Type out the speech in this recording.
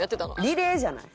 「リレー」じゃない？